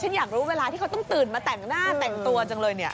อยากรู้เวลาที่เขาต้องตื่นมาแต่งหน้าแต่งตัวจังเลยเนี่ย